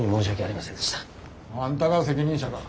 あんたが責任者か。